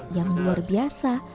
yang luar biasa